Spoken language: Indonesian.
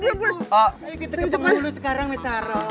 ayo kita teman dulu sekarang maisaroh